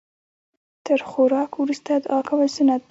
تر خوراک وروسته دعا کول سنت ده